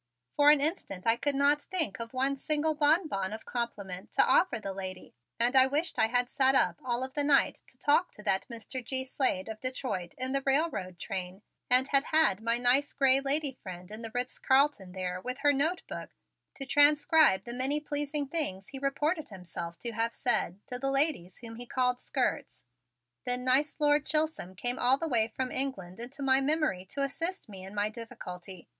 For an instant I could not think of one single bonbon of compliment to offer the lady and I wished I had sat up all of the night to talk to that Mr. G. Slade of Detroit in the railroad train and had had my nice gray lady friend in the Ritz Carlton there with her notebook to transcribe the many pleasing things he reported himself to have said to the ladies whom he called "skirts." Then nice Lord Chisholm came all the way from England into my memory to assist me in my difficulty.